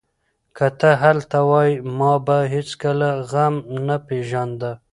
که ته دلته وای، ما به هېڅکله غم نه پېژانده.